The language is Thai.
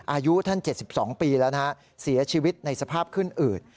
อายุท่าน๗๒ปีแล้วนะฮะเสียชีวิตในสภาพขึ้นอืด